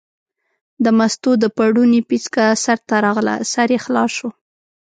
د مستو د پړوني پیڅکه سر ته راغله، سر یې خلاص شو.